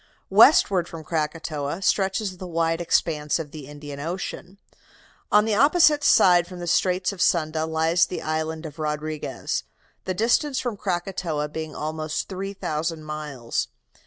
"Westward from Krakatoa stretches the wide expanse of the Indian Ocean. On the opposite side from the Straits of Sunda lies the island of Rodriguez, the distance from Krakatoa being almost three thousand miles.